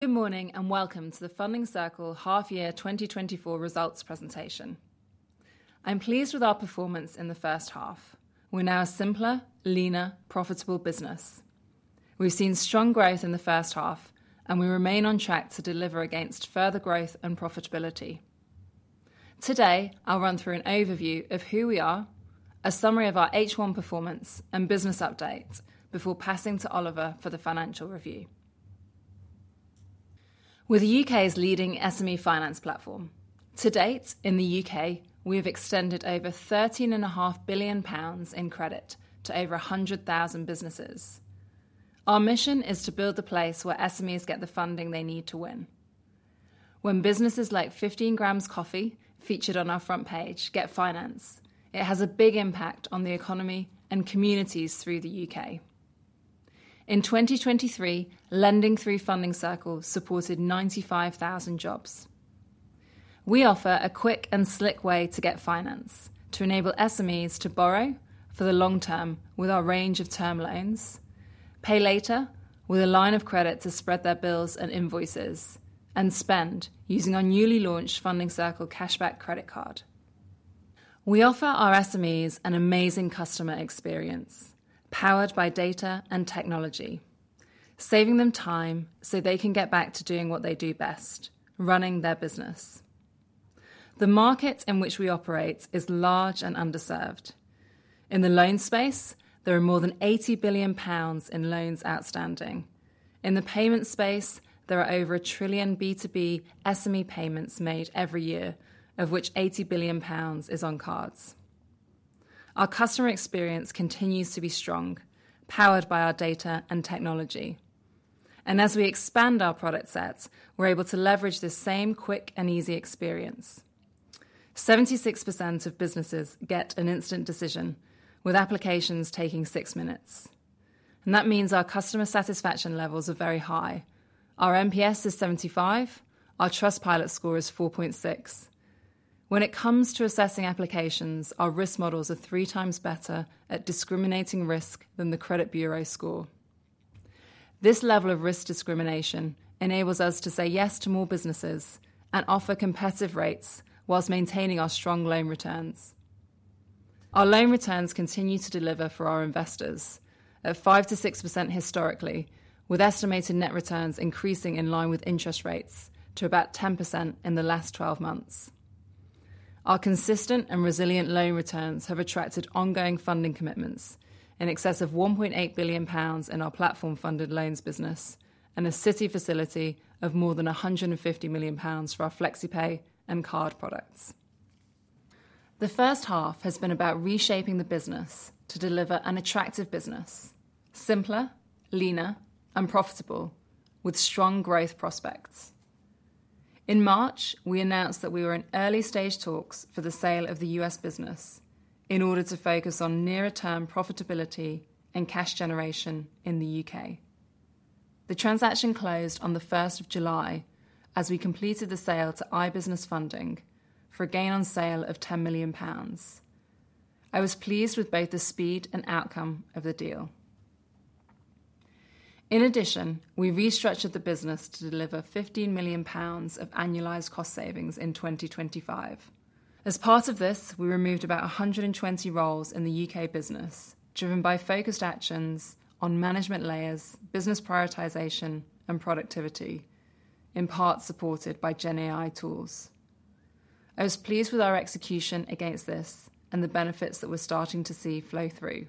Good morning, and welcome to the Funding Circle half year 2024 results presentation. I'm pleased with our performance in the first half. We're now a simpler, leaner, profitable business. We've seen strong growth in the first half, and we remain on track to deliver against further growth and profitability. Today, I'll run through an overview of who we are, a summary of our H1 performance and business updates before passing to Oliver for the financial review. We're the U.K.'s leading SME finance platform. To date, in the U.K., we have extended over 13.5 billion pounds in credit to over 100,000 businesses. Our mission is to build the place where SMEs get the funding they need to win. When businesses like 15grams Coffee, featured on our front page, get finance, it has a big impact on the economy and communities through the U.K. In 2023, lending through Funding Circle supported 95,000 jobs. We offer a quick and slick way to get finance, to enable SMEs to borrow for the long term with our range of term loans, pay later with a line of credit to spread their bills and invoices, and spend using our newly launched Funding Circle Cashback Credit Card. We offer our SMEs an amazing customer experience, powered by data and technology, saving them time so they can get back to doing what they do best, running their business. The market in which we operate is large and underserved. In the loan space, there are more than 80 billion pounds in loans outstanding. In the payment space, there are over 1 trillion B2B SME payments made every year, of which 80 billion pounds is on cards. Our customer experience continues to be strong, powered by our data and technology, and as we expand our product sets, we're able to leverage the same quick and easy experience. 76% of businesses get an instant decision, with applications taking six minutes, and that means our customer satisfaction levels are very high. Our NPS is 75, our Trustpilot score is 4.6. When it comes to assessing applications, our risk models are 3x better at discriminating risk than the credit bureau score. This level of risk discrimination enables us to say yes to more businesses and offer competitive rates whilst maintaining our strong loan returns. Our loan returns continue to deliver for our investors at 5%-6% historically, with estimated net returns increasing in line with interest rates to about 10% in the last twelve months. Our consistent and resilient loan returns have attracted ongoing funding commitments in excess of 1.8 billion pounds in our platform-funded loans business and a Citi facility of more than 150 million pounds for our FlexiPay and card products. The first half has been about reshaping the business to deliver an attractive business, simpler, leaner and profitable, with strong growth prospects. In March, we announced that we were in early stage talks for the sale of the U.S. business in order to focus on nearer term profitability and cash generation in the U.K. The transaction closed on the first of July as we completed the sale to iBusiness Funding for a gain on sale of 10 million pounds. I was pleased with both the speed and outcome of the deal. In addition, we restructured the business to deliver 15 million pounds of annualized cost savings in 2025. As part of this, we removed about 120 roles in the U.K. business, driven by focused actions on management layers, business prioritization, and productivity, in part supported by GenAI tools. I was pleased with our execution against this and the benefits that we're starting to see flow through.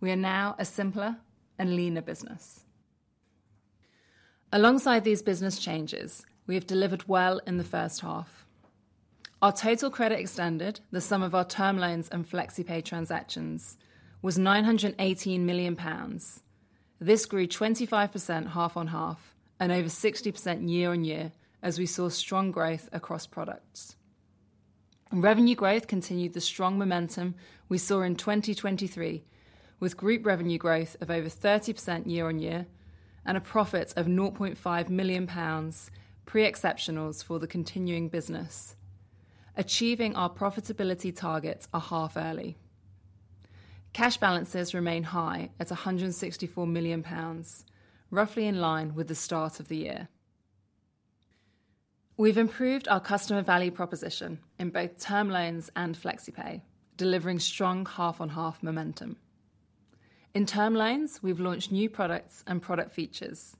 We are now a simpler and leaner business. Alongside these business changes, we have delivered well in the first half. Our total credit extended, the sum of our term loans and FlexiPay transactions, was 918 million pounds. This grew 25% half-on-half and over 60% year-on-year as we saw strong growth across products. Revenue growth continued the strong momentum we saw in 2023, with group revenue growth of over 30% year-on-year and a profit of 0.5 million pounds pre-exceptionals for the continuing business, achieving our profitability targets a half early. Cash balances remain high at 164 million pounds, roughly in line with the start of the year. We've improved our customer value proposition in both term loans and FlexiPay, delivering strong half-on-half momentum. In term loans, we've launched new products and product features.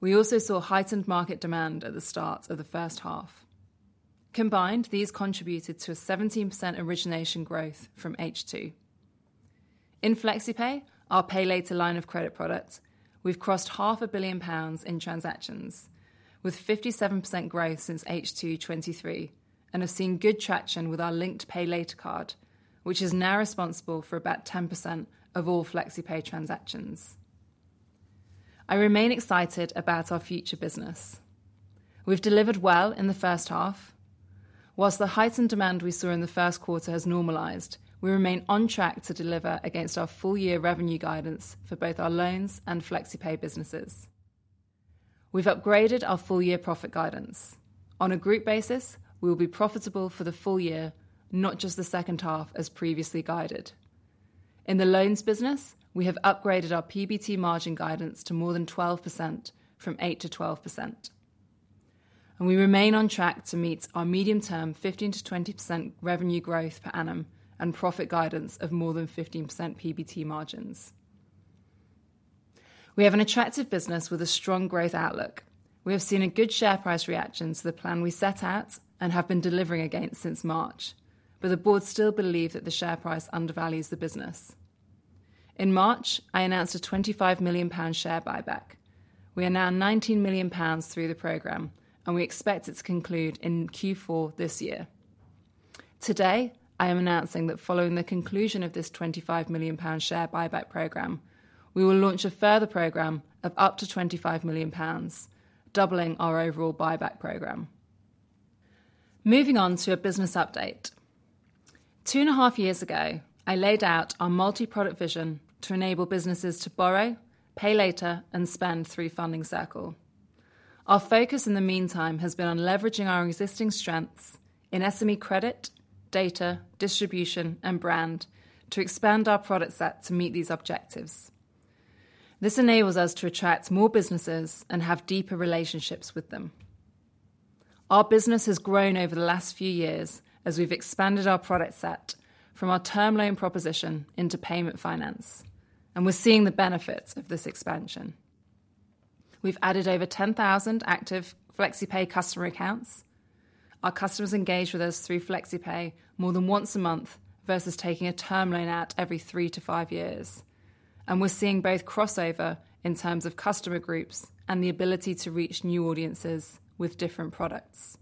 We also saw heightened market demand at the start of the first half. Combined, these contributed to a 17% origination growth from H2. In FlexiPay, our pay later line of credit products, we've crossed 500 million pounds in transactions, with 57% growth since H2 2023, and have seen good traction with our linked pay later card, which is now responsible for about 10% of all FlexiPay transactions. I remain excited about our future business. We've delivered well in the first half. Whilst the heightened demand we saw in the first quarter has normalized, we remain on track to deliver against our full year revenue guidance for both our loans and FlexiPay businesses. We've upgraded our full year profit guidance. On a group basis, we will be profitable for the full year, not just the second half as previously guided. In the loans business, we have upgraded our PBT margin guidance to more than 12% from 8%-12%. And we remain on track to meet our medium-term 15%-20% revenue growth per annum and profit guidance of more than 15% PBT margins. We have an attractive business with a strong growth outlook. We have seen a good share price reaction to the plan we set out and have been delivering against since March, but the board still believe that the share price undervalues the business. In March, I announced a 25 million pound share buyback. We are now 19 million pounds through the program, and we expect it to conclude in Q4 this year. Today, I am announcing that following the conclusion of this 25 million pound share buyback program, we will launch a further program of up to 25 million pounds, doubling our overall buyback program. Moving on to a business update. Two and a half years ago, I laid out our multi-product vision to enable businesses to borrow, pay later, and spend through Funding Circle. Our focus in the meantime has been on leveraging our existing strengths in SME credit, data, distribution, and brand to expand our product set to meet these objectives. This enables us to attract more businesses and have deeper relationships with them. Our business has grown over the last few years as we've expanded our product set from our term loan proposition into payment finance, and we're seeing the benefits of this expansion. We've added over 10,000 active FlexiPay customer accounts. Our customers engage with us through FlexiPay more than once a month, versus taking a term loan out every 3-5 years, and we're seeing both crossover in terms of customer groups and the ability to reach new audiences with different products.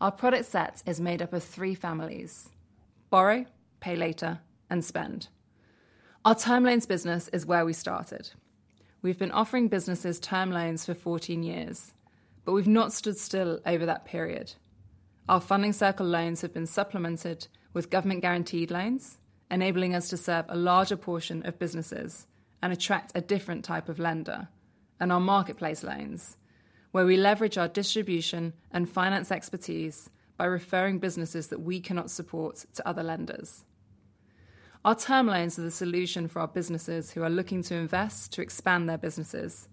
Our product set is made up of three families: borrow, pay later, and spend. Our term loans business is where we started. We've been offering businesses term loans for fourteen years, but we've not stood still over that period. Our Funding Circle loans have been supplemented with government-guaranteed loans, enabling us to serve a larger portion of businesses and attract a different type of lender, and our marketplace loans, where we leverage our distribution and finance expertise by referring businesses that we cannot support to other lenders. Our term loans are the solution for our businesses who are looking to invest to expand their businesses,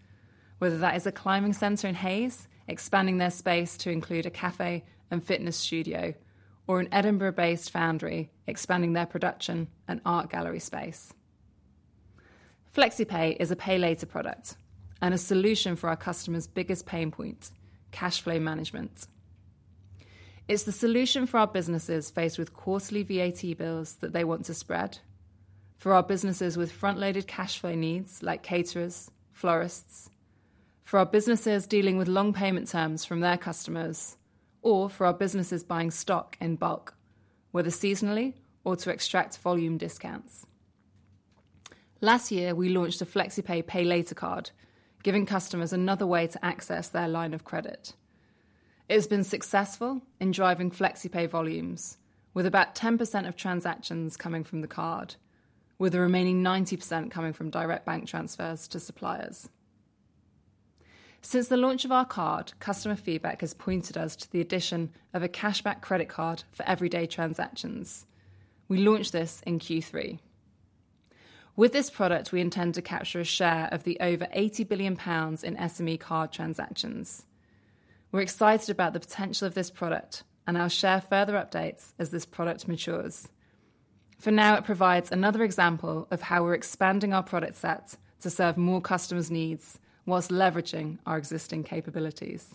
whether that is a climbing center in Hayes, expanding their space to include a cafe and fitness studio, or an Edinburgh-based foundry, expanding their production and art gallery space. FlexiPay is a pay later product and a solution for our customers' biggest pain point, cash flow management. It's the solution for our businesses faced with quarterly VAT bills that they want to spread, for our businesses with front-loaded cash flow needs, like caterers, florists, for our businesses dealing with long payment terms from their customers, or for our businesses buying stock in bulk, whether seasonally or to extract volume discounts. Last year, we launched a FlexiPay pay later card, giving customers another way to access their line of credit. It has been successful in driving FlexiPay volumes, with about 10% of transactions coming from the card, with the remaining 90% coming from direct bank transfers to suppliers. Since the launch of our card, customer feedback has pointed us to the addition of a cashback credit card for everyday transactions. We launched this in Q3. With this product, we intend to capture a share of the over 80 billion pounds in SME card transactions. We're excited about the potential of this product, and I'll share further updates as this product matures. For now, it provides another example of how we're expanding our product set to serve more customers' needs whilst leveraging our existing capabilities.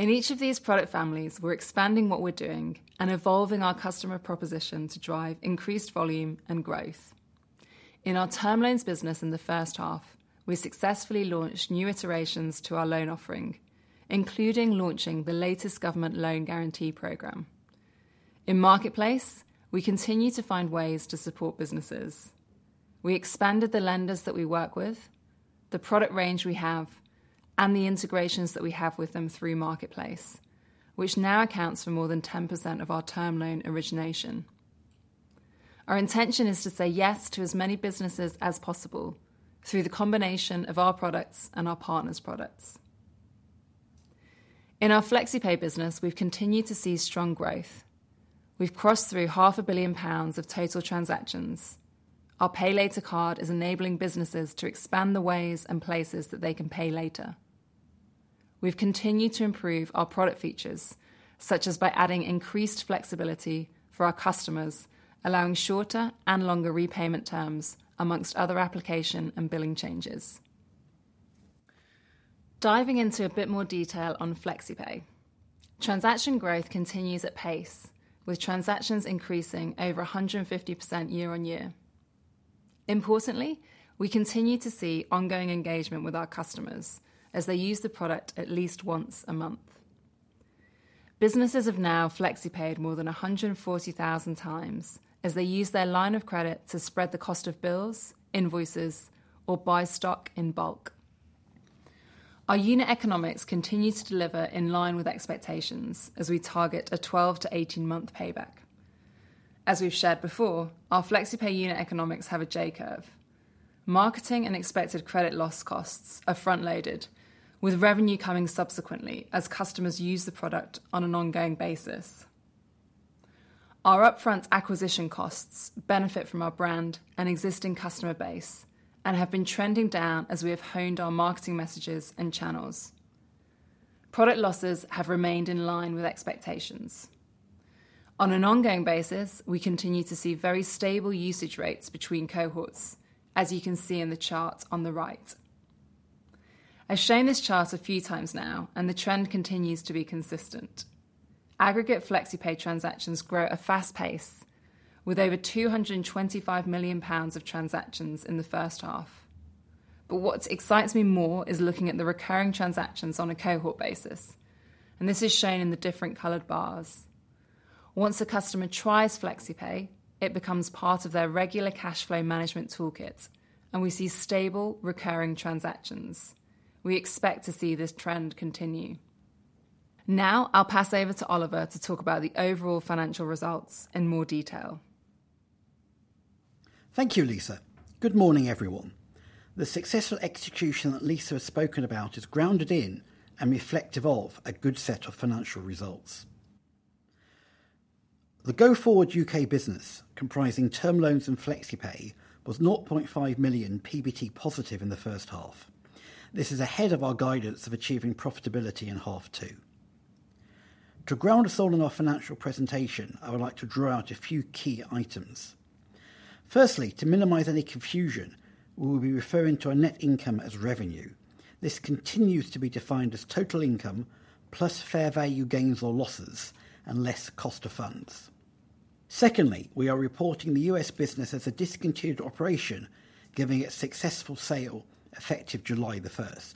In each of these product families, we're expanding what we're doing and evolving our customer proposition to drive increased volume and growth. In our term loans business in the first half, we successfully launched new iterations to our loan offering, including launching the latest government loan guarantee program. In Marketplace, we continue to find ways to support businesses. We expanded the lenders that we work with, the product range we have, and the integrations that we have with them through Marketplace, which now accounts for more than 10% of our term loan origination. Our intention is to say yes to as many businesses as possible through the combination of our products and our partners' products. In our FlexiPay business, we've continued to see strong growth. We've crossed through 500 million pounds of total transactions. Our pay later card is enabling businesses to expand the ways and places that they can pay later. We've continued to improve our product features, such as by adding increased flexibility for our customers, allowing shorter and longer repayment terms, amongst other application and billing changes. Diving into a bit more detail on FlexiPay. Transaction growth continues at pace, with transactions increasing over 150% year-on-year. Importantly, we continue to see ongoing engagement with our customers as they use the product at least once a month. Businesses have now FlexiPayed more than 140,000x as they use their line of credit to spread the cost of bills, invoices, or buy stock in bulk. Our unit economics continue to deliver in line with expectations as we target a 12- to 18-month payback. As we've shared before, our FlexiPay unit economics have a J-curve. Marketing and expected credit loss costs are front-loaded, with revenue coming subsequently as customers use the product on an ongoing basis. Our upfront acquisition costs benefit from our brand and existing customer base, and have been trending down as we have honed our marketing messages and channels. Product losses have remained in line with expectations. On an ongoing basis, we continue to see very stable usage rates between cohorts, as you can see in the chart on the right. I've shown this chart a few times now, and the trend continues to be consistent. Aggregate FlexiPay transactions grow at a fast pace, with over 225 million pounds of transactions in the first half. But what excites me more is looking at the recurring transactions on a cohort basis, and this is shown in the different colored bars. Once a customer tries FlexiPay, it becomes part of their regular cash flow management toolkit, and we see stable, recurring transactions. We expect to see this trend continue. Now, I'll pass over to Oliver to talk about the overall financial results in more detail. Thank you, Lisa. Good morning, everyone. The successful execution that Lisa has spoken about is grounded in and reflective of a good set of financial results. The go-forward U.K. business, comprising term loans and FlexiPay, was 0.5 million PBT positive in the first half. This is ahead of our guidance of achieving profitability in half two. To ground us all in our financial presentation, I would like to draw out a few key items. Firstly, to minimize any confusion, we will be referring to our net income as revenue. This continues to be defined as total income, plus fair value gains or losses, and less cost of funds. Secondly, we are reporting the U.S. business as a discontinued operation, giving a successful sale effective July the 1st.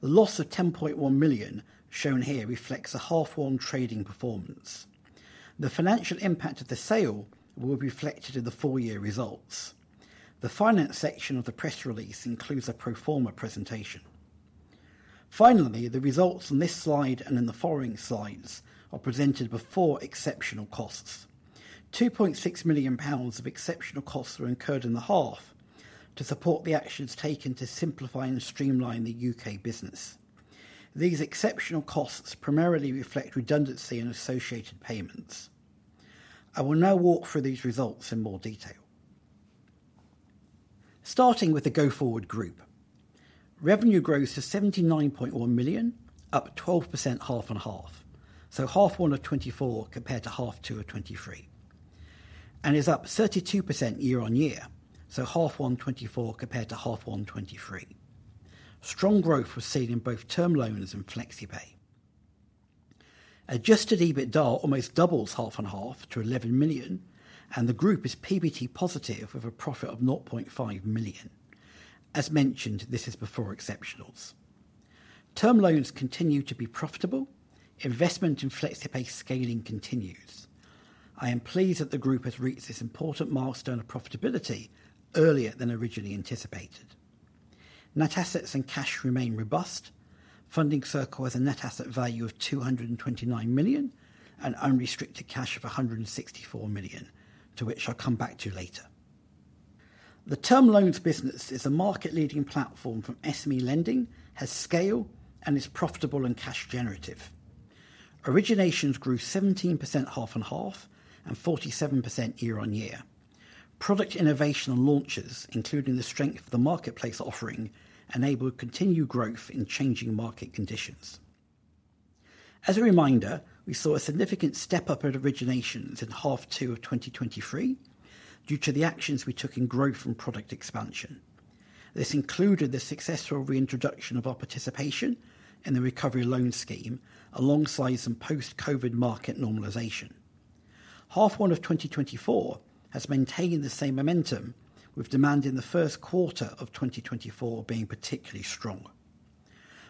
The loss of 10.1 million, shown here, reflects a half-one trading performance. The financial impact of the sale will be reflected in the full year results. The finance section of the press release includes a pro forma presentation. Finally, the results on this slide and in the following slides are presented before exceptional costs. 2.6 million pounds of exceptional costs were incurred in the half to support the actions taken to simplify and streamline the U.K. business. These exceptional costs primarily reflect redundancy and associated payments. I will now walk through these results in more detail. Starting with the go-forward group, revenue grows to 79.1 million, up 12% half-on-half, so half one of 2024 compared to half two of 2023, and is up 32% year-on-year, so half one 2024 compared to half one 2023. Strong growth was seen in both term loans and FlexiPay. Adjusted EBITDA almost doubles half-on-half to 11 million, and the group is PBT positive with a profit of 0.5 million. As mentioned, this is before exceptionals. Term loans continue to be profitable. Investment in FlexiPay scaling continues. I am pleased that the group has reached this important milestone of profitability earlier than originally anticipated. Net assets and cash remain robust. Funding Circle has a net asset value of 229 million, and unrestricted cash of 164 million, to which I'll come back to later. The term loans business is a market-leading platform for SME lending, has scale, and is profitable and cash generative. Originations grew 17% half-on-half and 47% year-on-year. Product innovation and launches, including the strength of the marketplace offering, enabled continued growth in changing market conditions. As a reminder, we saw a significant step-up in originations in half two of 2023 due to the actions we took in growth and product expansion. This included the successful reintroduction of our participation in the Recovery Loan Scheme, alongside some post-COVID market normalization. Half one of 2024 has maintained the same momentum, with demand in the first quarter of 2024 being particularly strong.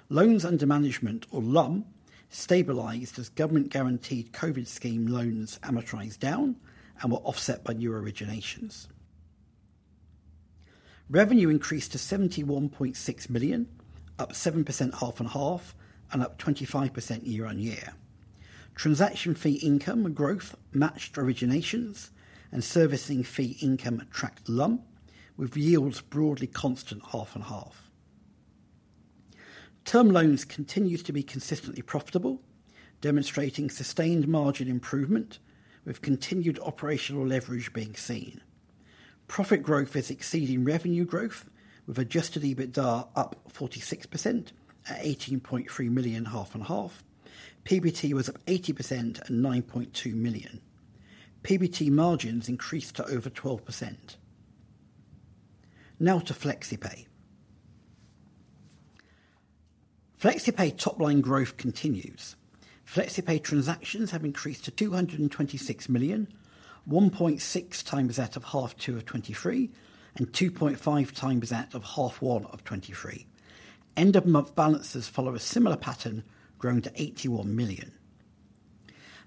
Loans under management, or LUM, stabilized as government-guaranteed COVID scheme loans amortized down and were offset by new originations. Revenue increased to 71.6 million, up 7% half-on-half, and up 25% year-on-year. Transaction fee income growth matched originations, and servicing fee income tracked LUM, with yields broadly constant half-on-half. Term loans continues to be consistently profitable, demonstrating sustained margin improvement, with continued operational leverage being seen. Profit growth is exceeding revenue growth, with adjusted EBITDA up 46% at 18.3 million half-on-half. PBT was up 80% at 9.2 million. PBT margins increased to over 12%. Now to FlexiPay. FlexiPay top-line growth continues. FlexiPay transactions have increased to 226 million, 1.6x that of half two of 2023, and 2.5x that of half one of 2023. End-of-month balances follow a similar pattern, growing to 81 million.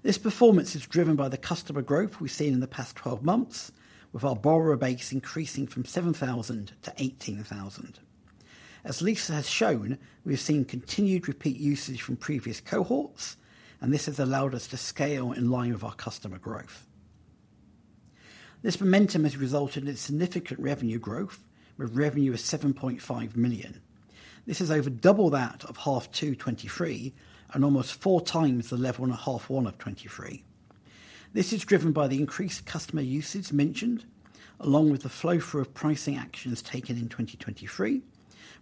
This performance is driven by the customer growth we've seen in the past twelve months, with our borrower base increasing from 7,000 to 18,000, as Lisa has shown, we've seen continued repeat usage from previous cohorts, and this has allowed us to scale in line with our customer growth. This momentum has resulted in significant revenue growth, where revenue is 7.5 million. This is over double that of the half two 2023, and almost four times the level in the half one 2023. This is driven by the increased customer usage mentioned, along with the flow-through of pricing actions taken in 2023,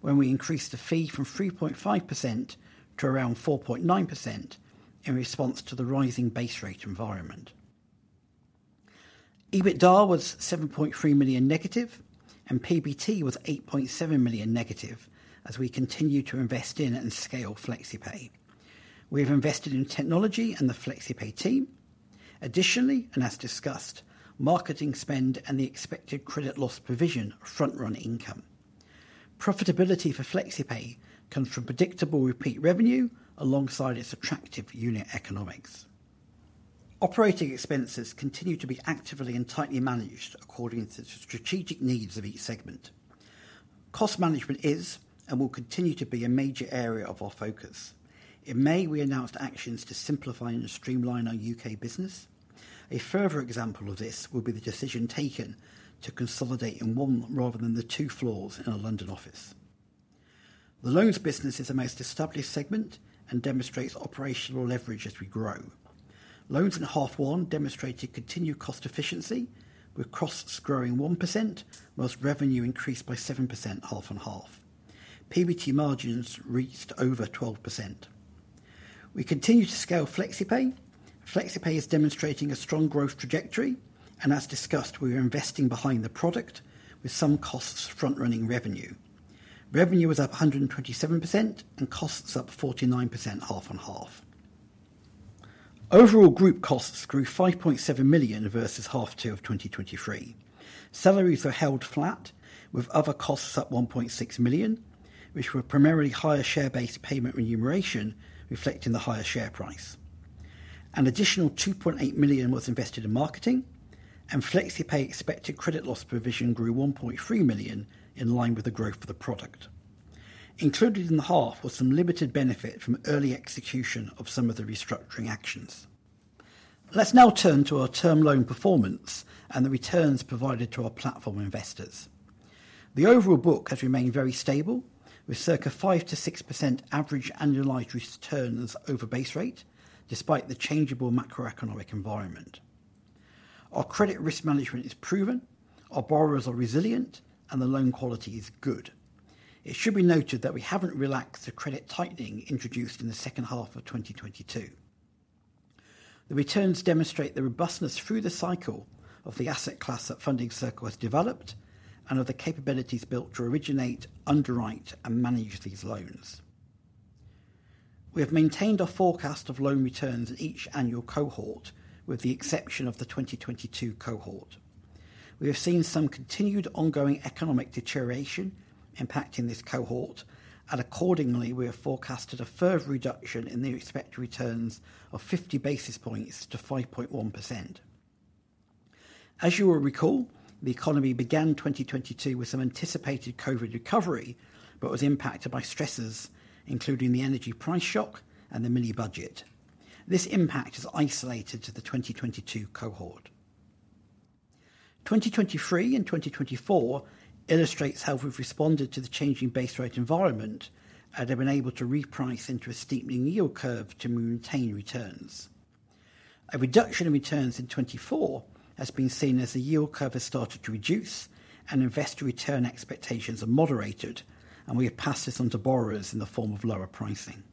when we increased the fee from 3.5% to around 4.9% in response to the rising base rate environment. EBITDA was 7.3 million negative, and PBT was 8.7 million negative, as we continue to invest in and scale FlexiPay. We've invested in technology and the FlexiPay team. Additionally, and as discussed, marketing spend and the expected credit loss provision front-run income. Profitability for FlexiPay comes from predictable repeat revenue alongside its attractive unit economics. Operating expenses continue to be actively and tightly managed according to the strategic needs of each segment. Cost management is, and will continue to be, a major area of our focus. In May, we announced actions to simplify and streamline our U.K. business. A further example of this will be the decision taken to consolidate in one rather than the two floors in our London office. The loans business is the most established segment and demonstrates operational leverage as we grow. Loans in half one demonstrated continued cost efficiency, with costs growing 1%, while revenue increased by 7%, half-on-half. PBT margins reached over 12%. We continue to scale FlexiPay. FlexiPay is demonstrating a strong growth trajectory, and as discussed, we are investing behind the product, with some costs front-running revenue. Revenue was up 127% and costs up 49%, half-on-half. Overall, group costs grew 5.7 million versus half two of 2023. Salaries are held flat, with other costs up 1.6 million, which were primarily higher share-based payment remuneration, reflecting the higher share price. An additional 2.8 million was invested in marketing, and FlexiPay expected credit loss provision grew 1.3 million, in line with the growth of the product. Included in the half was some limited benefit from early execution of some of the restructuring actions. Let's now turn to our term loan performance and the returns provided to our platform investors. The overall book has remained very stable, with circa 5%-6% average annualized returns over base rate, despite the changeable macroeconomic environment. Our credit risk management is proven, our borrowers are resilient, and the loan quality is good. It should be noted that we haven't relaxed the credit tightening introduced in the second half of 2022. The returns demonstrate the robustness through the cycle of the asset class that Funding Circle has developed, and of the capabilities built to originate, underwrite, and manage these loans. We have maintained our forecast of loan returns in each annual cohort, with the exception of the 2022 cohort. We have seen some continued ongoing economic deterioration impacting this cohort, and accordingly, we have forecasted a further reduction in the expected returns of 50 basis points to 5.1%. As you will recall, the economy began 2022 with some anticipated COVID recovery, but was impacted by stressors, including the energy price shock and the mini budget. This impact is isolated to the 2022 cohort. 2023 and 2024 illustrates how we've responded to the changing base rate environment and have been able to reprice into a steepening yield curve to maintain returns. A reduction in returns in 2024 has been seen as the yield curve has started to reduce and investor return expectations are moderated, and we have passed this on to borrowers in the form of lower pricing.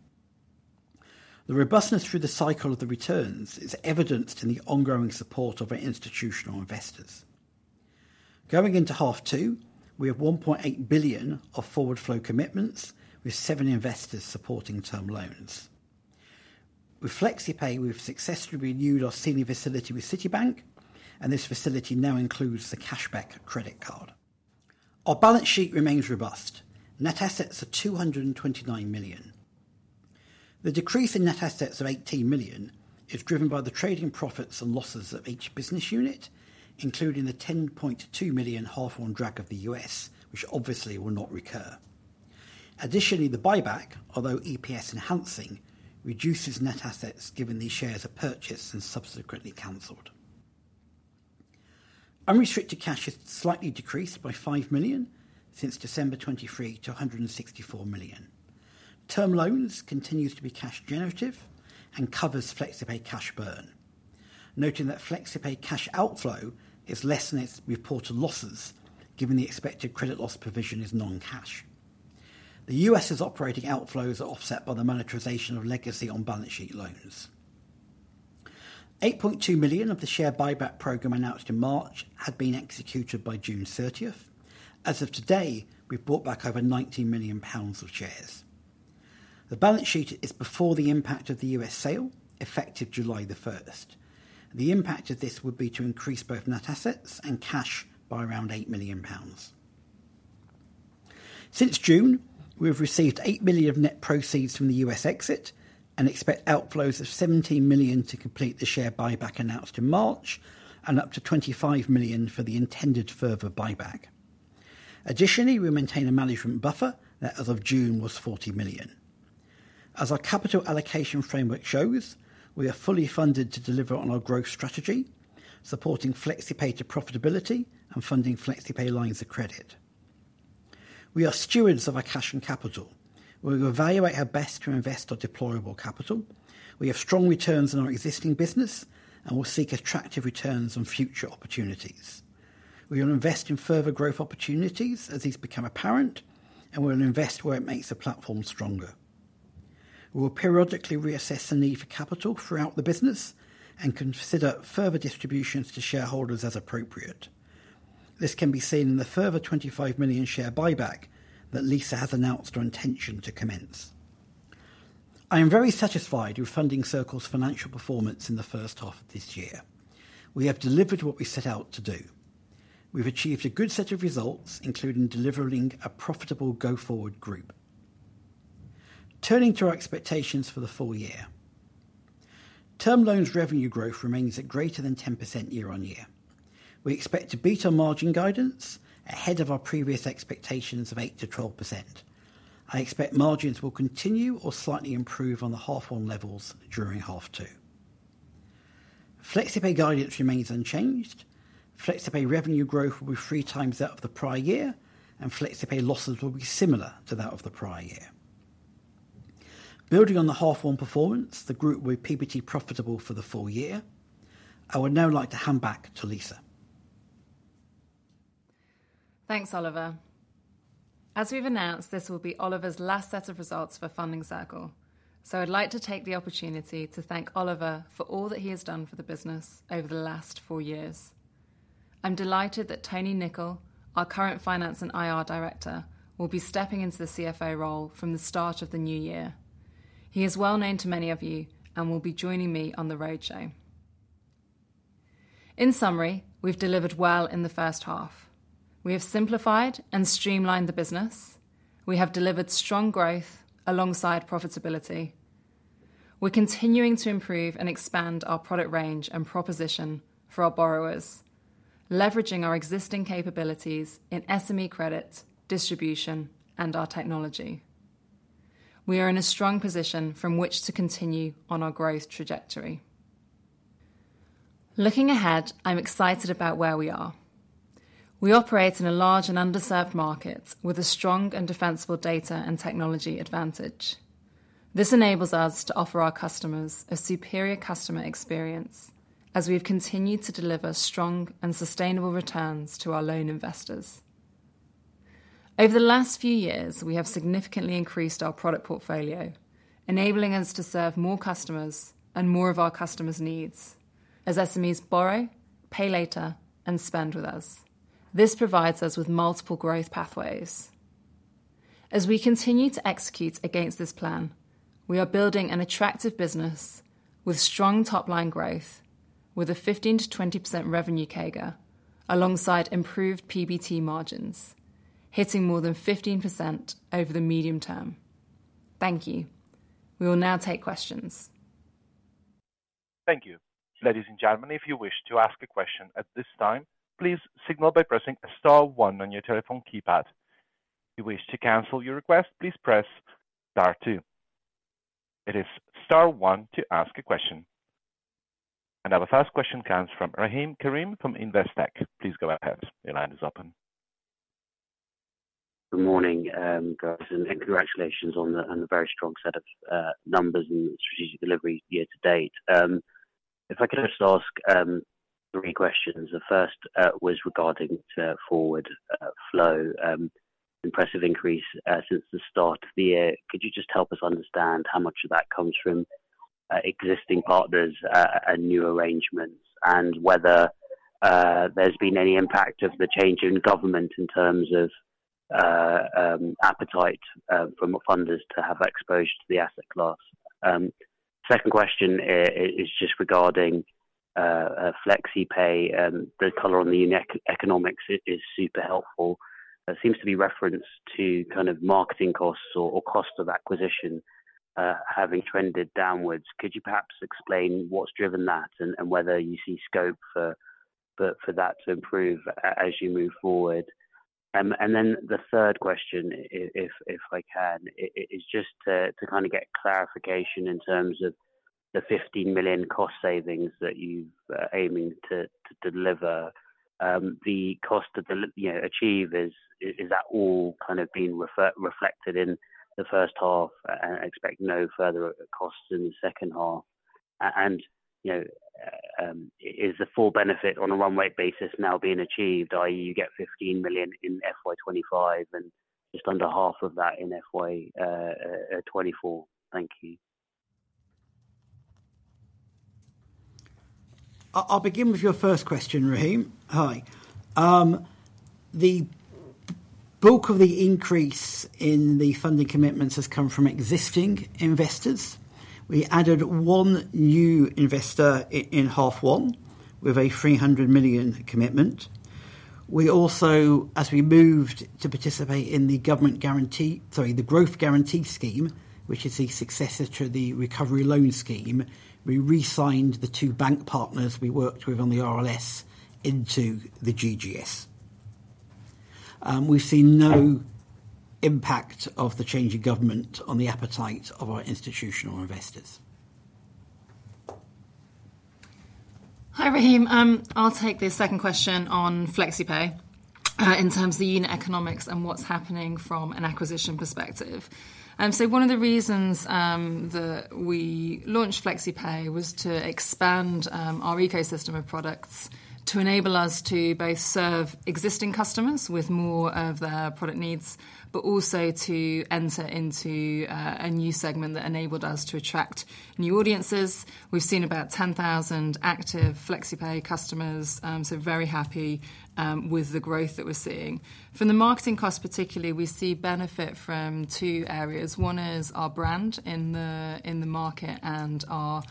The robustness through the cycle of the returns is evidenced in the ongoing support of our institutional investors. Going into half two, we have 1.8 billion of forward flow commitments, with seven investors supporting term loans. With FlexiPay, we've successfully renewed our senior facility with Citibank, and this facility now includes the cashback credit card. Our balance sheet remains robust. Net assets are 229 million. The decrease in net assets of 18 million is driven by the trading profits and losses of each business unit, including the 10.2 million H1 drag of the U.S., which obviously will not recur. Additionally, the buyback, although EPS enhancing, reduces net assets given these shares are purchased and subsequently canceled. Unrestricted cash has slightly decreased by 5 million since December 2023 to 164 million. Term Loans continues to be cash generative and covers FlexiPay cash burn, noting that FlexiPay cash outflow is less than its reported losses, given the expected credit loss provision is non-cash. The U.S.'s operating outflows are offset by the monetization of legacy on-balance sheet loans. 8.2 million of the share buyback program announced in March had been executed by June 30th. As of today, we've bought back over 90 million pounds of shares. The balance sheet is before the impact of the U.S. sale, effective July 1st. The impact of this would be to increase both net assets and cash by around 8 million pounds. Since June, we have received 8 million of net proceeds from the U.S. exit and expect outflows of 17 million to complete the share buyback announced in March, and up to 25 million for the intended further buyback. Additionally, we maintain a management buffer that as of June, was 40 million. As our capital allocation framework shows, we are fully funded to deliver on our growth strategy, supporting FlexiPay to profitability and funding FlexiPay lines of credit. We are stewards of our cash and capital. We will evaluate how best to invest our deployable capital. We have strong returns on our existing business, and we'll seek attractive returns on future opportunities. We will invest in further growth opportunities as these become apparent, and we'll invest where it makes the platform stronger. We will periodically reassess the need for capital throughout the business and consider further distributions to shareholders as appropriate. This can be seen in the further 25 million share buyback that Lisa has announced her intention to commence. I am very satisfied with Funding Circle's financial performance in the first half of this year. We have delivered what we set out to do. We've achieved a good set of results, including delivering a profitable go-forward group. Turning to our expectations for the full year. Term loans revenue growth remains at greater than 10% year-on-year. We expect to beat our margin guidance ahead of our previous expectations of 8%-12%. I expect margins will continue or slightly improve on the half one levels during half two. FlexiPay guidance remains unchanged. FlexiPay revenue growth will be 3x that of the prior year, and FlexiPay losses will be similar to that of the prior year. Building on the half one performance, the group will be PBT profitable for the full year. I would now like to hand back to Lisa. Thanks, Oliver. As we've announced, this will be Oliver's last set of results for Funding Circle. So I'd like to take the opportunity to thank Oliver for all that he has done for the business over the last four years. I'm delighted that Tony Nicol, our current Finance and IR Director, will be stepping into the CFO role from the start of the new year. He is well known to many of you and will be joining me on the roadshow. In summary, we've delivered well in the first half. We have simplified and streamlined the business. We have delivered strong growth alongside profitability. We're continuing to improve and expand our product range and proposition for our borrowers, leveraging our existing capabilities in SME credit, distribution, and our technology. We are in a strong position from which to continue on our growth trajectory. Looking ahead, I'm excited about where we are. We operate in a large and underserved market with a strong and defensible data and technology advantage. This enables us to offer our customers a superior customer experience as we have continued to deliver strong and sustainable returns to our loan investors. Over the last few years, we have significantly increased our product portfolio, enabling us to serve more customers and more of our customers' needs as SMEs borrow, pay later, and spend with us. This provides us with multiple growth pathways. As we continue to execute against this plan, we are building an attractive business with strong top-line growth, with a 15%-20% revenue CAGR, alongside improved PBT margins, hitting more than 15% over the medium term. Thank you. We will now take questions. Thank you. Ladies and gentlemen, if you wish to ask a question at this time, please signal by pressing star one on your telephone keypad. If you wish to cancel your request, please press star two. It is star one to ask a question. And our first question comes from Rahim Karim from Investec. Please go ahead. Your line is open. Good morning, guys, and congratulations on the very strong set of numbers and strategic delivery year to date. If I could just ask three questions. The first was regarding to forward flow impressive increase since the start of the year. Could you just help us understand how much of that comes from existing partners and new arrangements? And whether there's been any impact of the change in government in terms of appetite from the funders to have exposure to the asset class? Second question is just regarding FlexiPay. The color on the economics is super helpful. There seems to be reference to kind of marketing costs or cost of acquisition having trended downwards. Could you perhaps explain what's driven that and, and whether you see scope for, for that to improve as you move forward? And then the third question, if, if I can, is just to kind of get clarification in terms of the 15 million cost savings that you're aiming to deliver. The cost of the achieve is, is that all kind of being reflected in the first half and expect no further costs in the second half? And, you know, is the full benefit on a run rate basis now being achieved, i.e., you get 15 million in FY 2025 and just under half of that in FY 2024? Thank you. I'll begin with your first question, Rahim. Hi. The bulk of the increase in the funding commitments has come from existing investors. We added one new investor in half one with a 300 million commitment. We also, as we moved to participate in the government guarantee, the Growth Guarantee Scheme, which is the successor to the Recovery Loan Scheme, we re-signed the two bank partners we worked with on the RLS into the GGS. We've seen no impact of the change in government on the appetite of our institutional investors. Hi, Rahim. I'll take the second question on FlexiPay, in terms of the unit economics and what's happening from an acquisition perspective, so one of the reasons that we launched FlexiPay was to expand our ecosystem of products, to enable us to both serve existing customers with more of their product needs, but also to enter into a new segment that enabled us to attract new audiences. We've seen about 10,000 active FlexiPay customers, so very happy with the growth that we're seeing. From the marketing cost particularly, we see benefit from two areas. One is our brand in the market and our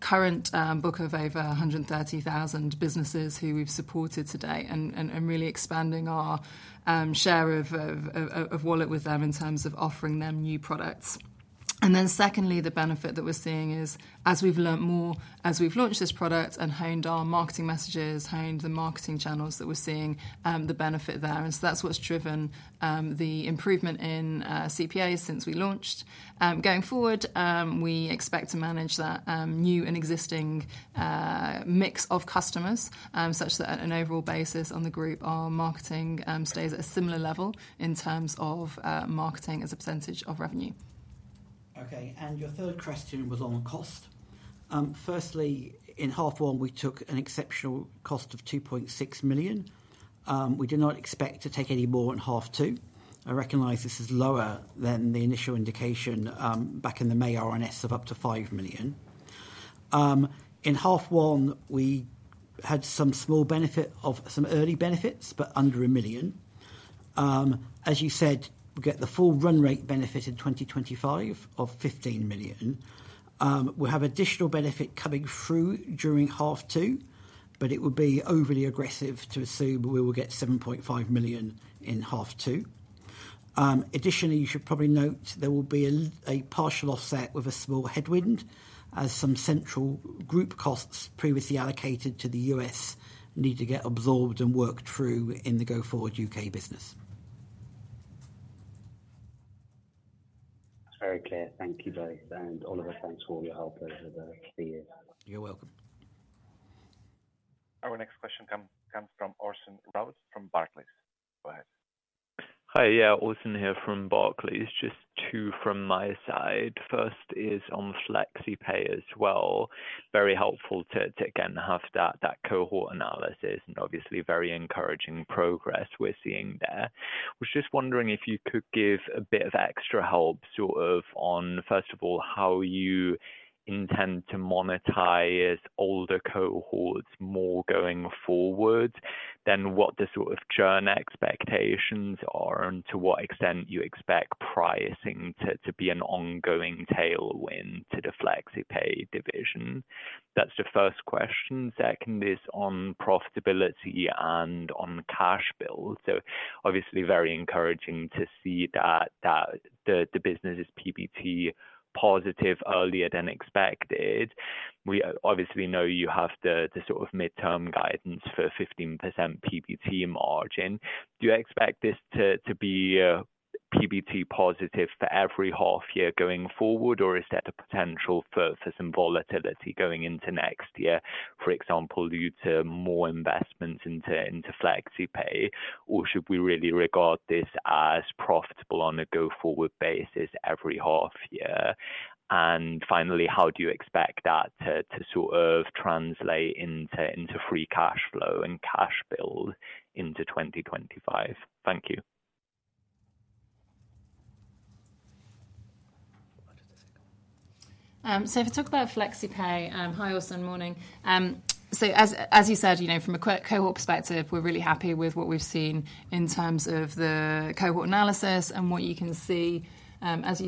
current book of over 130,000 businesses who we've supported today, and really expanding our share of wallet with them in terms of offering them new products. And then secondly, the benefit that we're seeing is, as we've learned more, as we've launched this product and honed our marketing messages, honed the marketing channels, that we're seeing the benefit there. And so that's what's driven the improvement in CPAs since we launched. Going forward, we expect to manage that new and existing mix of customers such that at an overall basis on the group, our marketing stays at a similar level in terms of marketing as a percentage of revenue. Okay, and your third question was on cost. Firstly, in half one, we took an exceptional cost of 2.6 million. We do not expect to take any more in half two. I recognize this is lower than the initial indication, back in the May RNS of up to 5 million. In half one, we had some small benefit of some early benefits, but under 1 million. As you said, we get the full run rate benefit in 2025 of 15 million. We'll have additional benefit coming through during half two, but it would be overly aggressive to assume we will get 7.5 million in half two. Additionally, you should probably note there will be a partial offset with a small headwind, as some central group costs previously allocated to the U.S. need to get absorbed and worked through in the go-forward U.K. business. Very clear. Thank you both. And Oliver, thanks for all your help over the years. You're welcome. Our next question comes from Orson Rout from Barclays. Go ahead. Hi. Yeah, Orson here from Barclays. Just two from my side. First is on FlexiPay as well. Very helpful to again have that cohort analysis, and obviously very encouraging progress we're seeing there. Was just wondering if you could give a bit of extra help, sort of, on, first of all, how you intend to monetize older cohorts more going forward, then what the sort of churn expectations are, and to what extent you expect pricing to be an ongoing tailwind to the FlexiPay division? That's the first question. Second is on profitability and on cash build. So obviously very encouraging to see that the business is PBT positive earlier than expected. We obviously know you have the sort of midterm guidance for a 15% PBT margin. Do you expect this to be PBT positive for every half year going forward, or is there the potential for some volatility going into next year, for example, due to more investments into FlexiPay? Or should we really regard this as profitable on a go-forward basis every half year? And finally, how do you expect that to sort of translate into free cash flow and cash build into 2025? Thank you. So if I talk about FlexiPay, hi, Orson, morning. So as you said, you know, from a cohort perspective, we're really happy with what we've seen in terms of the cohort analysis and what you can see, as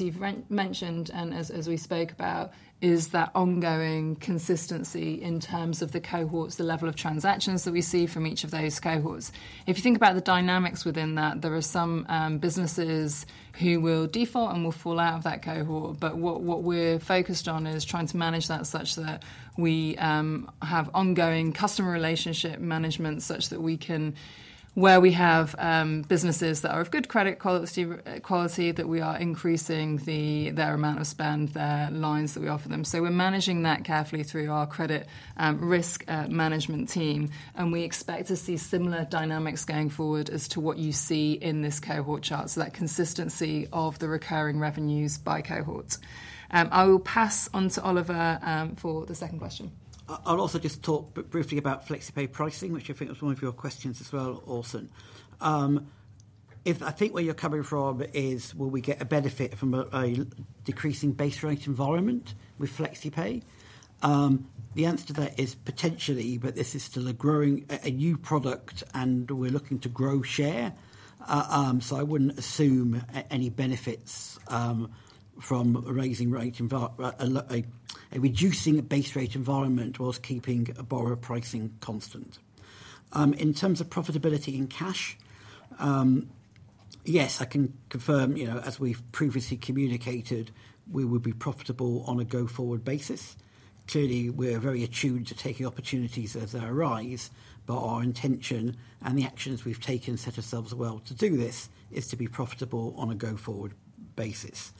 you've mentioned and as we spoke about, is that ongoing consistency in terms of the cohorts, the level of transactions that we see from each of those cohorts. If you think about the dynamics within that, there are some businesses who will default and will fall out of that cohort, but what we're focused on is trying to manage that such that we have ongoing customer relationship management, such that we can... Where we have businesses that are of good credit quality, that we are increasing their amount of spend, the lines that we offer them. So we're managing that carefully through our credit risk management team, and we expect to see similar dynamics going forward as to what you see in this cohort chart, so that consistency of the recurring revenues by cohorts. I will pass on to Oliver for the second question. I'll also just talk briefly about FlexiPay pricing, which I think was one of your questions as well, Orson. I think where you're coming from is, will we get a benefit from a decreasing base rate environment with FlexiPay? The answer to that is potentially, but this is still a growing, a new product, and we're looking to grow share. So I wouldn't assume any benefits from a reducing base rate environment whilst keeping borrower pricing constant. In terms of profitability and cash, yes, I can confirm, you know, as we've previously communicated, we would be profitable on a go-forward basis. Clearly, we're very attuned to taking opportunities as they arise, but our intention and the actions we've taken to set ourselves well to do this, is to be profitable on a go-forward basis.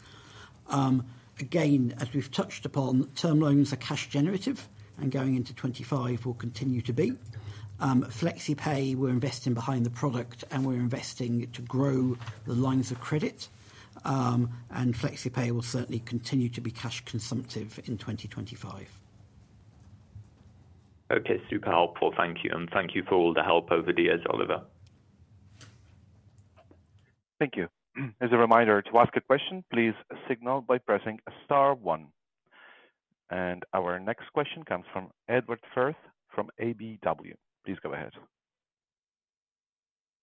Again, as we've touched upon, term loans are cash generative and going into 2025 will continue to be. FlexiPay, we're investing behind the product, and we're investing to grow the lines of credit. And FlexiPay will certainly continue to be cash consumptive in 2025. Okay, super helpful. Thank you, and thank you for all the help over the years, Oliver. Thank you. As a reminder, to ask a question, please signal by pressing star one. And our next question comes from Edward Firth from KBW. Please go ahead.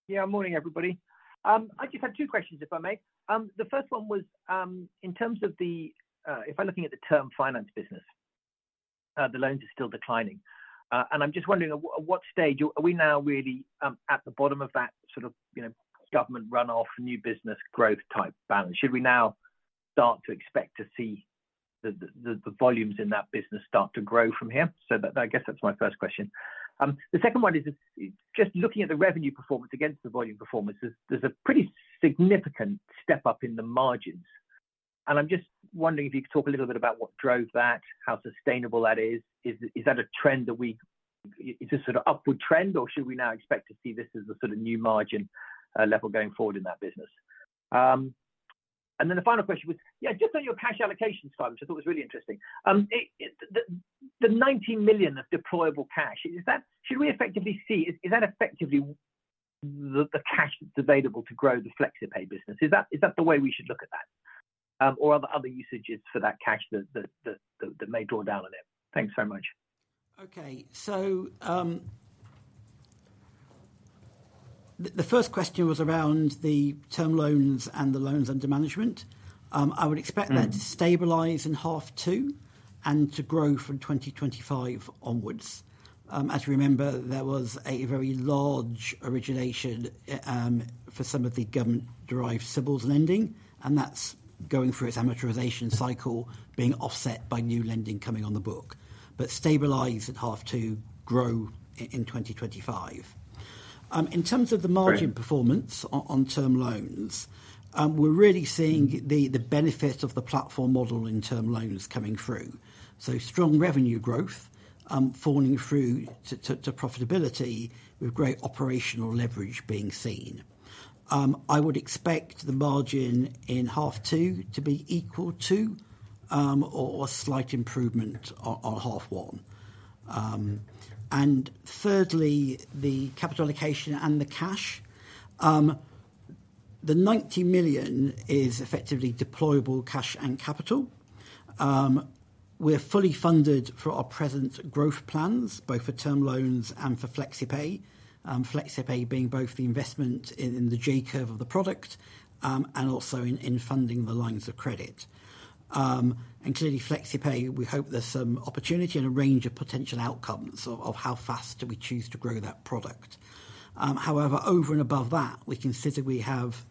Yeah, morning, everybody. I just have two questions, if I may. The first one was, in terms of the, if I'm looking at the term finance business, the loans are still declining. And I'm just wondering at, at what stage, are we now really, at the bottom of that sort of, you know, government run-off, new business growth type balance? Should we now start to expect to see the volumes in that business start to grow from here? So that, I guess, that's my first question. The second one is just looking at the revenue performance against the volume performance, there's a pretty significant step up in the margins, and I'm just wondering if you could talk a little bit about what drove that, how sustainable that is. Is that a trend that we. Is this sort of upward trend, or should we now expect to see this as a sort of new margin level, going forward in that business? And then the final question was, yeah, just on your cash allocations slide, which I thought was really interesting. It, the 90 million of deployable cash, is that effectively the cash that's available to grow the FlexiPay business? Is that the way we should look at that, or are there other usages for that cash that may draw down on it? Thanks so much. Okay. So, the first question was around the term loans and the loans under management. I would expect that to stabilize in half two and to grow from 2025 onwards. As you remember, there was a very large origination for some of the government-derived CBILS lending, and that's going through its amortization cycle, being offset by new lending coming on the book, but stabilize at half two, grow in 2025. In terms of the margin- Great performance on term loans, we're really seeing the benefit of the platform model in term loans coming through. So strong revenue growth, falling through to profitability with great operational leverage being seen. I would expect the margin in half two to be equal to, or a slight improvement on half one. And thirdly, the capital allocation and the cash. The 90 million is effectively deployable cash and capital. We're fully funded for our present growth plans, both for term loans and for FlexiPay, FlexiPay being both the investment in the J-curve of the product, and also in funding the lines of credit. And clearly, FlexiPay, we hope there's some opportunity and a range of potential outcomes of how fast do we choose to grow that product. However, over and above that, we consider we have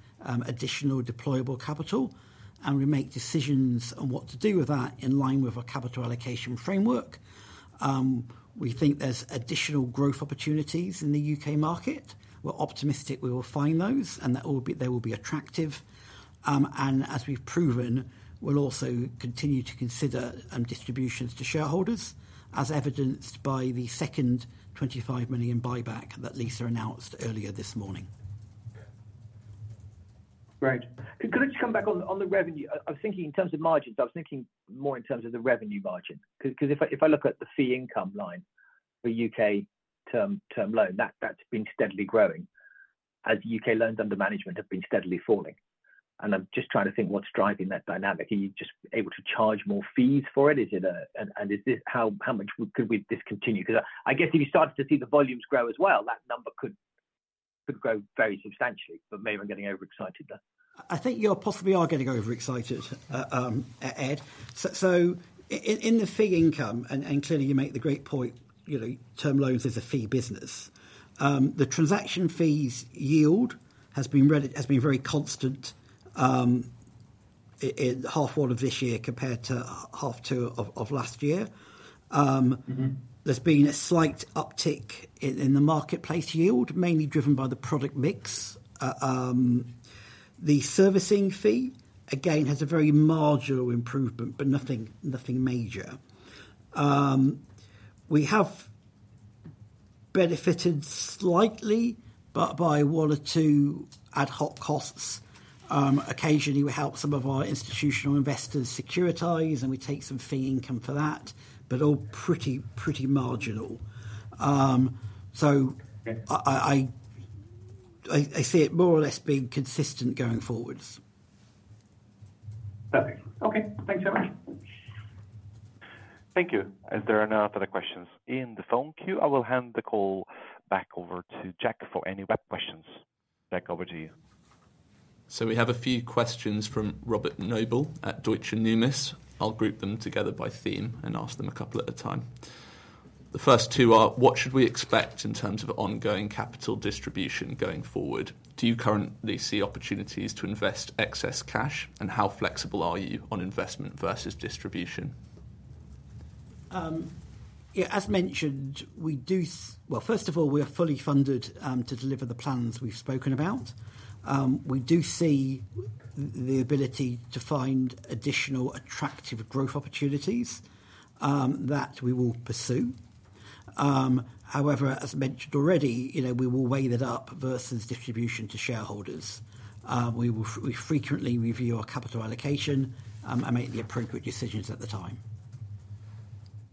additional deployable capital, and we make decisions on what to do with that in line with our capital allocation framework. We think there's additional growth opportunities in the UK market. We're optimistic we will find those, and that will be. They will be attractive. And as we've proven, we'll also continue to consider distributions to shareholders, as evidenced by the second 25 million buyback that Lisa announced earlier this morning. Great. Could I just come back on the revenue? I was thinking in terms of margins, but I was thinking more in terms of the revenue margin. Because if I look at the fee income line for UK term loan, that's been steadily growing as UK Loans Under Management have been steadily falling, and I'm just trying to think what's driving that dynamic. Are you just able to charge more fees for it? And is this, how much could this continue? Because I guess if you started to see the volumes grow as well, that number could grow very substantially, but maybe I'm getting overexcited there. I think you possibly are getting overexcited, Ed. So in the fee income, and clearly, you make the great point, you know, term loans is a fee business. The transaction fees yield has been very constant in half one of this year compared to half two of last year. there's been a slight uptick in the marketplace yield, mainly driven by the product mix. The servicing fee, again, has a very marginal improvement, but nothing major. We have benefited slightly, but by one or two ad hoc costs. Occasionally, we help some of our institutional investors securitize, and we take some fee income for that, but all pretty marginal. So- Okay I see it more or less being consistent going forward. Perfect. Okay, thanks so much. Thank you. As there are no further questions in the phone queue, I will hand the call back over to Jack for any web questions. Jack, over to you. So we have a few questions from Robert Noble at Deutsche Numis. I'll group them together by theme and ask them a couple at a time. The first two are: what should we expect in terms of ongoing capital distribution going forward? Do you currently see opportunities to invest excess cash, and how flexible are you on investment versus distribution? Yeah, as mentioned, we do. Well, first of all, we are fully funded to deliver the plans we've spoken about. We do see the ability to find additional attractive growth opportunities that we will pursue. However, as mentioned already, you know, we will weigh that up versus distribution to shareholders. We will frequently review our capital allocation and make the appropriate decisions at the time.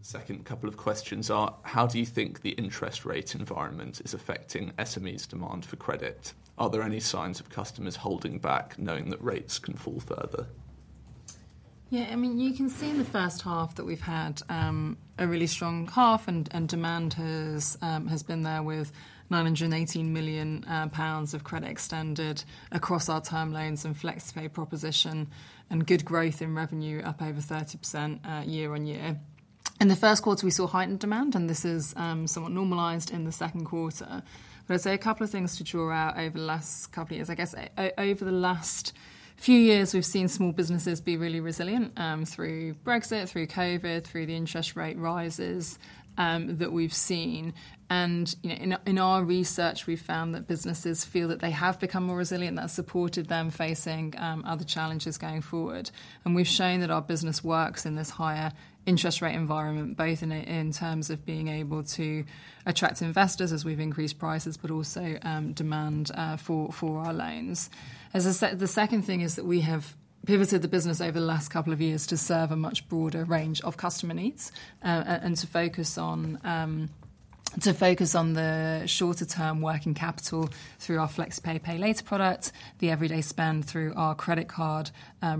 Second couple of questions are: how do you think the interest rate environment is affecting SMEs' demand for credit? Are there any signs of customers holding back, knowing that rates can fall further? Yeah, I mean, you can see in the first half that we've had a really strong half, and demand has been there with 918 million pounds of credit extended across our term loans and FlexiPay proposition, and good growth in revenue, up over 30%, year-on-year. In the first quarter, we saw heightened demand, and this is somewhat normalized in the second quarter. But I'd say a couple of things to draw out over the last couple of years. I guess, over the last few years, we've seen small businesses be really resilient through Brexit, through COVID, through the interest rate rises that we've seen. And, you know, in our research, we've found that businesses feel that they have become more resilient, that supported them facing other challenges going forward. And we've shown that our business works in this higher interest rate environment, both in terms of being able to attract investors as we've increased prices, but also demand for our loans. As I said, the second thing is that we have pivoted the business over the last couple of years to serve a much broader range of customer needs, and to focus on the shorter-term working capital through our FlexiPay pay later product, the everyday spend through our credit card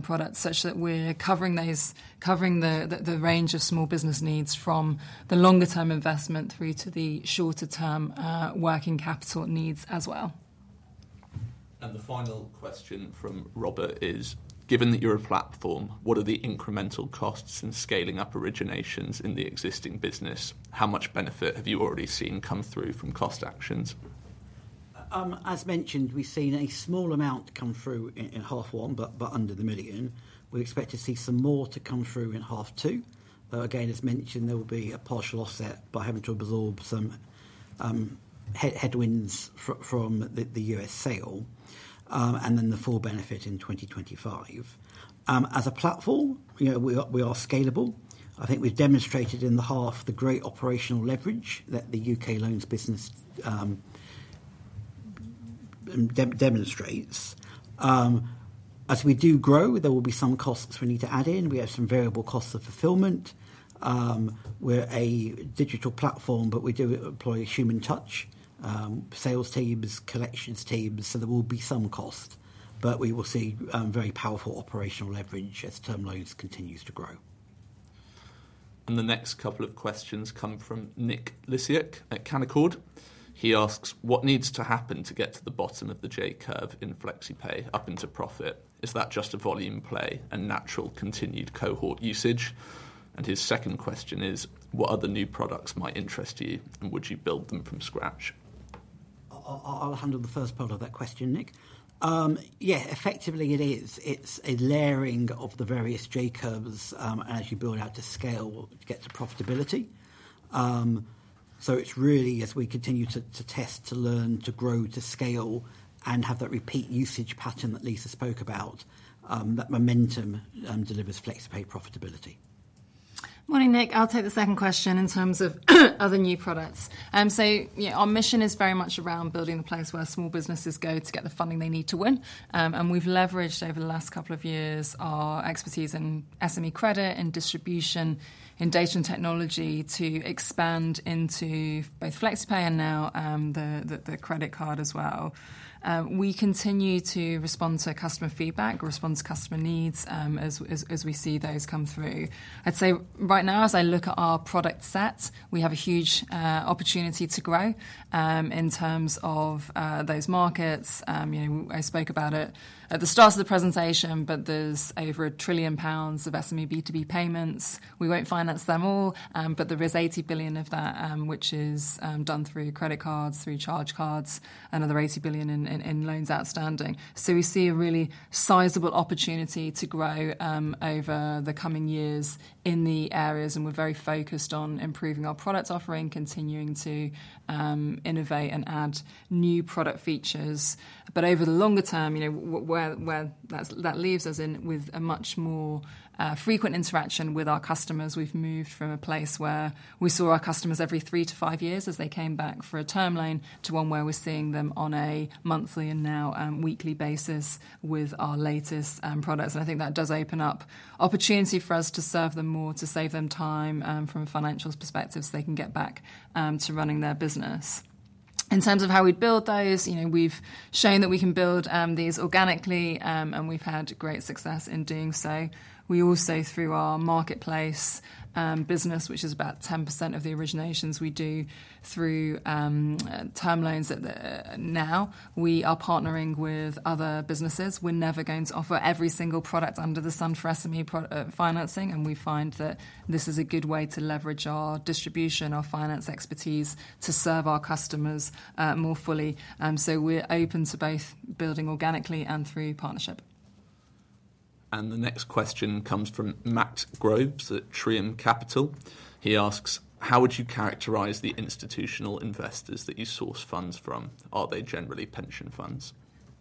products, such that we're covering the range of small business needs from the longer term investment through to the shorter term working capital needs as well. And the final question from Robert is: Given that you're a platform, what are the incremental costs in scaling up originations in the existing business? How much benefit have you already seen come through from cost actions? As mentioned, we've seen a small amount come through in half one, but under the million. We expect to see some more to come through in half two, though, again, as mentioned, there will be a partial offset by having to absorb some headwinds from the U.S. sale, and then the full benefit in 2025. As a platform, you know, we are scalable. I think we've demonstrated in the half the great operational leverage that the U.K. loans business demonstrates. As we do grow, there will be some costs we need to add in. We have some variable costs of fulfillment. We're a digital platform, but we do employ a human touch, sales teams, collections teams, so there will be some cost, but we will see very powerful operational leverage as term loans continues to grow. The next couple of questions come from Nick Lisiak at Canaccord. He asks: What needs to happen to get to the bottom of the J-curve in FlexiPay up into profit? Is that just a volume play and natural continued cohort usage? And his second question is: What other new products might interest you, and would you build them from scratch? I'll handle the first part of that question, Nick. Yeah, effectively, it is. It's a layering of the various J-curves, as you build out to scale to get to profitability. So it's really as we continue to test, to learn, to grow, to scale, and have that repeat usage pattern that Lisa spoke about, that momentum delivers FlexiPay profitability. Morning, Nick. I'll take the second question in terms of other new products, so you know, our mission is very much around building the place where small businesses go to get the funding they need to win, and we've leveraged over the last couple of years our expertise in SME credit, in distribution, in data and technology, to expand into both FlexiPay and now, the credit card as well. We continue to respond to customer feedback, respond to customer needs, as we see those come through. I'd say right now, as I look at our product set, we have a huge opportunity to grow in terms of those markets. You know, I spoke about it at the start of the presentation, but there's over 1 trillion pounds of SME B2B payments. We won't finance them all, but there is 80 billion of that, which is done through credit cards, through charge cards, another 80 billion in loans outstanding. So we see a really sizable opportunity to grow over the coming years in the areas, and we're very focused on improving our product offering, continuing to innovate and add new product features. But over the longer term, you know, where that leaves us in with a much more frequent interaction with our customers. We've moved from a place where we saw our customers every 3-5 years as they came back for a term loan, to one where we're seeing them on a monthly and now weekly basis with our latest products. I think that does open up opportunity for us to serve them more, to save them time, from a financials perspective, so they can get back to running their business. In terms of how we build those, you know, we've shown that we can build these organically, and we've had great success in doing so. We also, through our marketplace business, which is about 10% of the originations we do through term loans at now, we are partnering with other businesses. We're never going to offer every single product under the sun for SME property financing, and we find that this is a good way to leverage our distribution, our finance expertise, to serve our customers more fully. We're open to both building organically and through partnership. The next question comes from Matt Groves at Trium Capital. He asks: How would you characterize the institutional investors that you source funds from? Are they generally pension funds?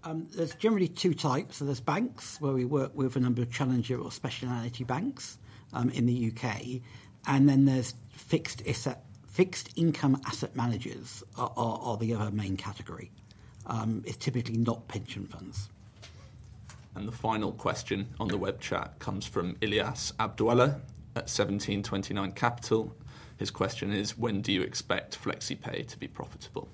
There's generally two types. So there's banks, where we work with a number of challenger or specialty banks, in the U.K., and then there's fixed income asset managers are the other main category. It's typically not pension funds. The final question on the web chat comes from Ilias Abdalla at 1729 Capital. His question is: When do you expect FlexiPay to be profitable?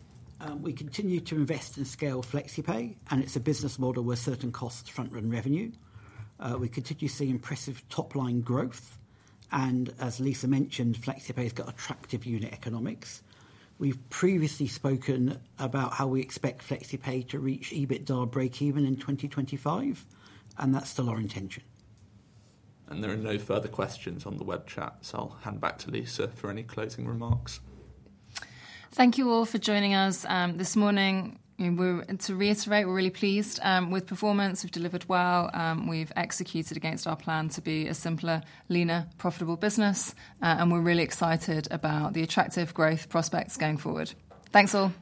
We continue to invest and scale FlexiPay, and it's a business model where certain costs front run revenue. We continue to see impressive top-line growth, and as Lisa mentioned, FlexiPay's got attractive unit economics. We've previously spoken about how we expect FlexiPay to reach EBITDA breakeven in 2025, and that's still our intention. There are no further questions on the web chat, so I'll hand back to Lisa for any closing remarks. Thank you all for joining us this morning. To reiterate, we're really pleased with performance. We've delivered well. We've executed against our plan to be a simpler, leaner, profitable business, and we're really excited about the attractive growth prospects going forward. Thanks, all!